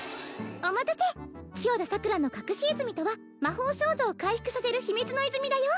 お待たせ千代田桜の隠し泉とは魔法少女を回復させる秘密の泉だよ